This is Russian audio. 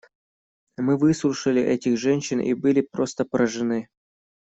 Мы выслушали этих женщин и были просто поражены.